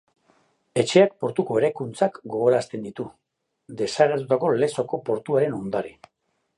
Etxeak portuko eraikuntzak gogorarazten ditu, desagertutako Lezoko portuaren ondare.